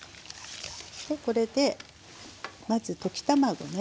これでまず溶き卵ね。